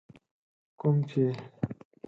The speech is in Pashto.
کوم چي